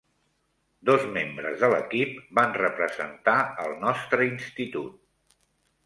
Dos membres de l'equip van representar el nostre institut.